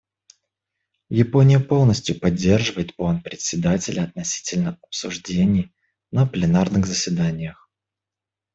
Япония полностью поддерживает план Председателя относительно обсуждений на пленарных заседаниях.